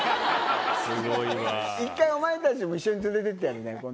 一回お前たちも一緒に連れてってやる今度な。